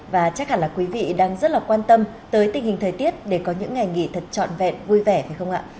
và chắc hẳn là quý vị đang rất là quan tâm tới tình hình thời tiết để có những ngày nghỉ thật trọn vẹn vui vẻ phải không ạ